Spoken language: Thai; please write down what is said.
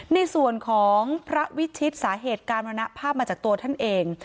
ในส่วนของพระวิชิตสาเหตุการมรณภาพมาจากตัวท่านเอง